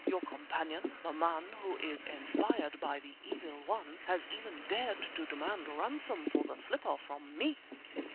Your companion, the man, who is inspired by the Evil One, has even dared to demand ransom for the slipper from me!"